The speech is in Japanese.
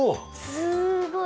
すごい！